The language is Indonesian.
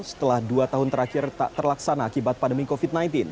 setelah dua tahun terakhir tak terlaksana akibat pandemi covid sembilan belas